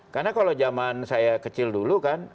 karena kalau zaman saya kecil dulu kan